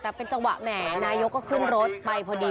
แต่เป็นจังหวะแหมนายกก็ขึ้นรถไปพอดี